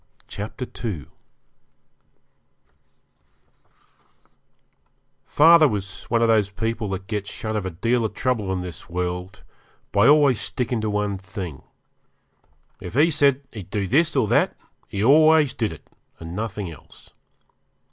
Chapter 2 Father was one of those people that gets shut of a deal of trouble in this world by always sticking to one thing. If he said he'd do this or that he always did it and nothing else.